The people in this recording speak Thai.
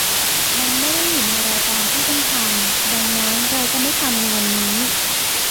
มันไม่ได้อยู่ในรายการที่ต้องทำ ดังนั้นเราจะไม่ทำในวันนี้